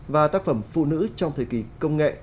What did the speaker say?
và tác phẩm phụ nữ trong thời kỳ công nghệ